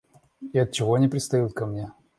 И отчего они пристают ко мне?